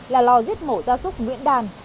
là lò giết mổ gia súc nguyễn đàn